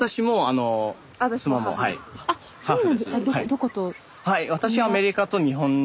どこと。